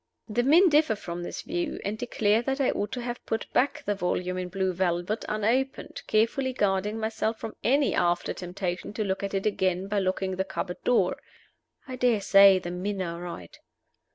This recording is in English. The men differ from this view, and declare that I ought to have put back the volume in blue velvet unopened, carefully guarding myself from any after temptation to look at it again by locking the cupboard door. I dare say the men are right.